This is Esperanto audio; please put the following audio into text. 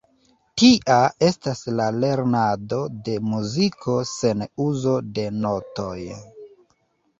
Tia estas la lernado de muziko sen uzo de notoj.